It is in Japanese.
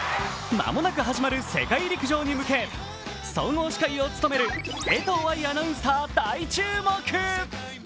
間もなく始まる世界陸上に向け総合司会を務める江藤愛アナウンサー大注目。